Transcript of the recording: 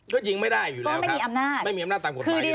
ก็ยิงไม่ได้อยู่แล้วไม่มีอำนาจไม่มีอำนาจตามกฎหมายอยู่แล้ว